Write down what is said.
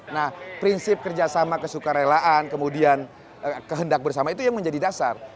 nah prinsip kerjasama kesuka relaan kemudian kehendak bersama itu yang menjadi dasar